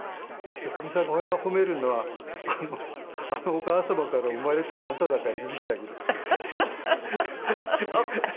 かみさんが褒めるのは「あのお母様から生まれたあなただから許してあげる」とか。